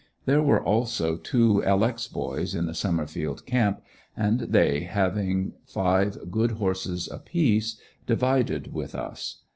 There were also two "L. X." boys in the Summerfield camp, and they, having five good horses apiece, divided with us.